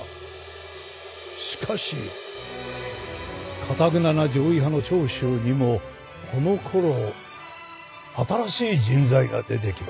しかしかたくなな攘夷派の長州にもこのころ新しい人材が出てきました。